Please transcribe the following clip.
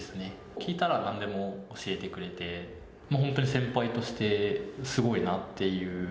聞いたらなんでも教えてくれて、もう本当に先輩としてすごいなっていう。